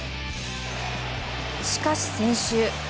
しかし、先週。